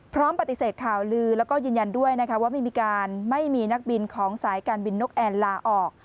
พร้อมปฏิเสธข่าวลือแล้วก็ยืนยันด้วยนะคะว่าไม่มีการไม่มีนักบินของสายการบินนกแอนลาออก